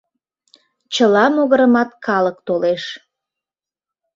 Чыла могырымат калык толеш.